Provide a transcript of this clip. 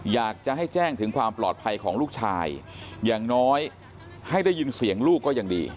อยากจะให้แจ้งถึงความปลอดภัยของลูกชายอย่างน้อยให้ได้ยินเสียงลูกก็ยังดี